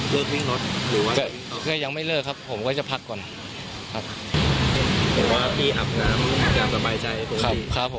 เลิกวิ่งรถหรือว่ายังไม่เลิกครับผมก็จะพักก่อนครับผมว่าพี่อาบน้ำจำสบายใจครับครับครับผม